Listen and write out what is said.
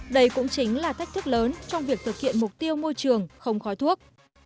đây cũng chính là thách thức lớn trong việc thực hiện mục tiêu môi trường không khói thuốc